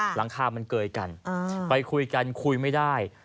หลังคามันเกยกันไปคุยกันคุยไม่ได้